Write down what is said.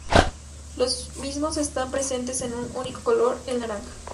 Los mismos están presentes en un único color, el naranja.